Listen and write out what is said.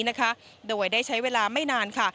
เป็นการลใช้เวลาไม่นานค่ะ